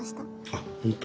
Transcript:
あっ本当？